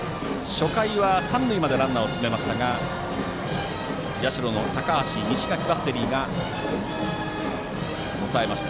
初回は三塁までランナーを進めましたが社の高橋、西垣バッテリーが抑えました。